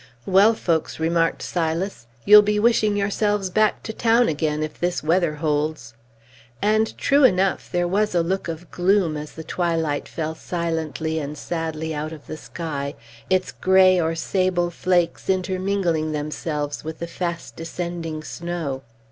"Well, folks," remarked Silas, "you'll be wishing yourselves back to town again, if this weather holds." And, true enough, there was a look of gloom, as the twilight fell silently and sadly out of the sky, its gray or sable flakes intermingling themselves with the fast descending snow.